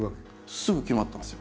すぐ決まったんですよ。